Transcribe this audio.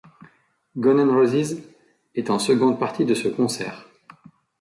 Guns N' Roses est en seconde partie de ce concert.